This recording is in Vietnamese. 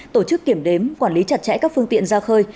tổ chức kiểm đếm quản lý chặt chẽ các phương tiện ra khơi